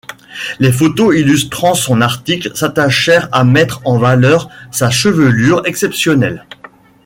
Les photos illustrant son article s'attachèrent à mettre en valeur sa chevelure exceptionnelle.